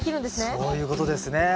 そういうことですね。